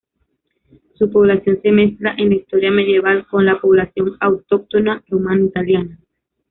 Su población se mezcla en la historia medieval con la población autóctona romano-italiana.